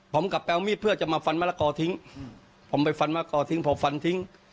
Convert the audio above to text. ผมกลับไปเอามีดเพื่อจะมาฟันมะละกอทิ้งผมไปฟันมะกอทิ้งพอฟันทิ้ง